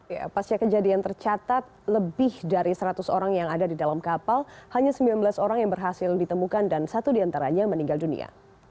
ya pasca kejadian tercatat lebih dari seratus orang yang ada di dalam kapal hanya sembilan belas orang yang berhasil ditemukan dan satu diantaranya meninggal dunia